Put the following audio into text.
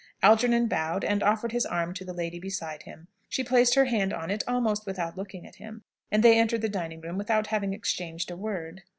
Algernon bowed, and offered his arm to the lady beside him; she placed her hand on it almost without looking at him, and they entered the dining room without having exchanged a word.